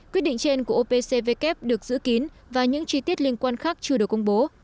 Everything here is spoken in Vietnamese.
quyết định trên của opcvk được giữ kín và những chi tiết liên quan khác chưa được công bố